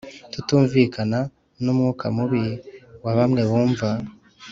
tutumvikana ni umwuka mubi wa bamwe bumva